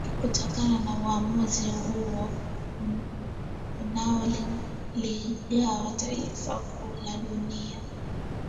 kutokana na uwamuzi huo unaoligawa taifa kuu la dunia